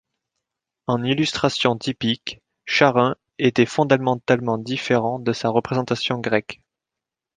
En illustration typique, Charun était fondamentalement différent de sa représentation grecque.